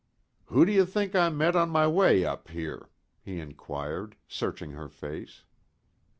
"Who d'you think I met on my way up here?" he inquired, searching her face.